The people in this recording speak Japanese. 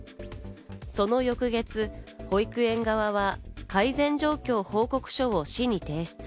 その翌月、保育園側は、改善状況報告書を市に提出。